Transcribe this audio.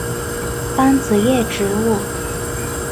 单子叶植物。